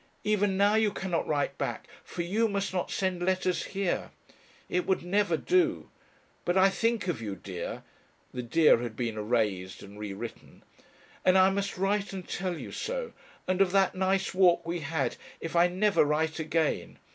Even now you cannot write back, for you must not send letters here. It would never do. But I think of you, dear," the "dear" had been erased and rewritten "and I must write and tell you so, and of that nice walk we had, if I never write again.